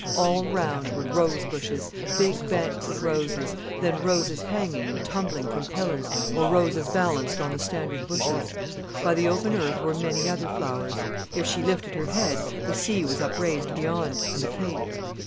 All round were rose bushes, big banks of roses, then roses hanging and tumbling from pillars, or roses balanced on the standard bushes. By the open earth were many other flowers. If she lifted her head, the sea was upraised beyond, and the Cape.